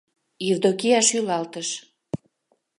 — Евдокия шӱлалтыш.